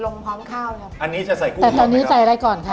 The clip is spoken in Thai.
พร้อมข้าวนะครับอันนี้จะใส่กุ้งแต่ตอนนี้ใส่อะไรก่อนคะ